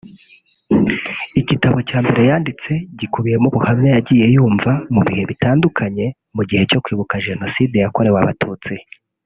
Igitabo cya mbere yanditse gikubiyemo ubuhamya yagiye yumva mu bihe bitandukanye mu gihe cyo kwibuka Jenoside yakorewe Abatutsi